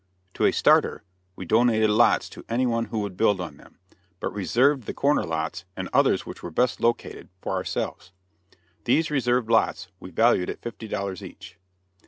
To a "starter," we donated lots to any one who would build on them, but reserved the corner lots and others which were best located for ourselves. These reserved lots we valued at fifty dollars each.